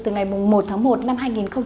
từ ngày một tháng một năm hai nghìn một mươi chín